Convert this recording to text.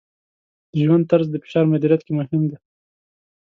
د ژوند طرز د فشار مدیریت کې مهم دی.